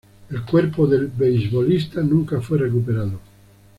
El cuerpo del beisbolista nunca fue recuperado.